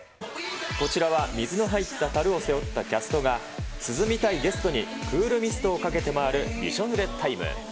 こちらは水の入ったたるを背負ったキャストが、涼みたいゲストにクールミストをかけて回るびしょぬれタイム。